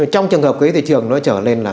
trong trường hợp cái thị trường nó trở lên là